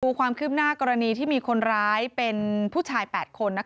ความคืบหน้ากรณีที่มีคนร้ายเป็นผู้ชาย๘คน